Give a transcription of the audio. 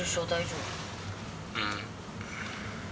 うん。